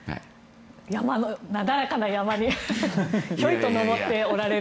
なだらかな山にひょいと登っておられる。